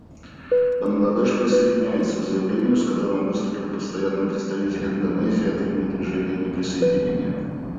Бангладеш присоединяется к заявлению, с которым выступил Постоянный представитель Индонезии от имени Движения неприсоединения.